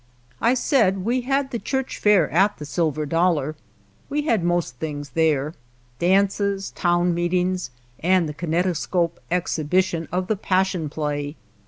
I said we had the church fair at the Silver Dollar. We had most things there, ( dances, town meetings, and the kineto scope exhibition of the Passion Play.